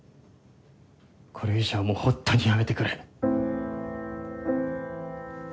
これ以上はもうホントにやめてくれ。